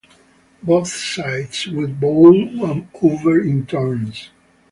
Both sides will bowl one over, in turns.